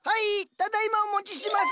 ただ今お持ちします。